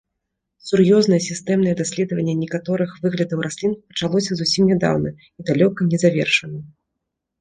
Сур'ёзнае, сістэмнае даследаванне некаторых выглядаў раслін пачалося зусім нядаўна і далёка не завершана.